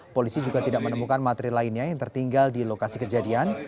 polisi juga tidak menemukan materi lainnya yang tertinggal di lokasi kejadian